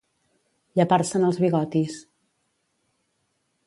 Llepar-se'n els bigotis.